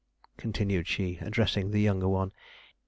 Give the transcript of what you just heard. continued she, addressing the younger one.